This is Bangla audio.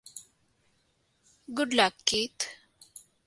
Good luck, Keith.